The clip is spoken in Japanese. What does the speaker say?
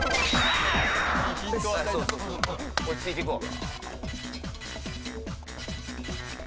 落ち着いていこう。